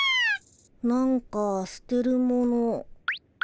なんか捨てるもの。